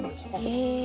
へえ。